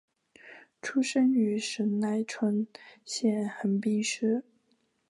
出生于神奈川县横滨市。